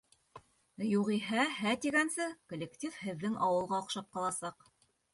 Юғиһә, «һә» тигәнсе коллектив һеҙҙең ауылға оҡшап ҡаласаҡ.